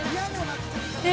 え